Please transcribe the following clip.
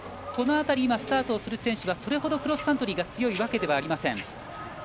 この辺り、スタートをする選手はそれほどクロスカントリーが強いわけではありません。